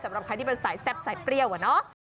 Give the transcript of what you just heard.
สำหรับใครที่เป็นสายแซ่บสายเปรี้ยวอะเนาะ